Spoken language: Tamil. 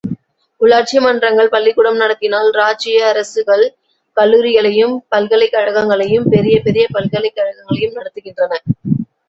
உள்ளாட்சி மன்றங்கள் பள்ளிக்கூடம் நடத்தினால், இராச்சிய அரசுகள் கல்லூரிகளையும் பல்கலைக் கழகங்களையும் பெரிய பெரிய பல்கலைக் கழகங்களையும் நடத்துகின்றன.